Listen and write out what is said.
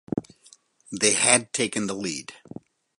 They had taken the lead.